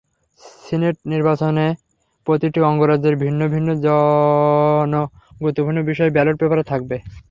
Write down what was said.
Senate নির্বাচনে প্রতিটি অঙ্গরাজ্যের ভিন্ন ভিন্ন জনগুরুত্বপূর্ণ বিষয় ব্যালট পেপারে থাকবে।